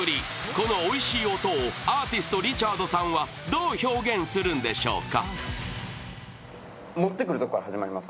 このおいしい音をアーティスト・リチャードさんはどう表現するんでしょうか。